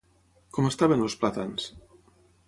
Com estaven els plàtans?